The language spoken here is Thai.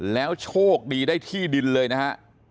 แล้วโชคดีได้ที่ดินเลยนะฮะ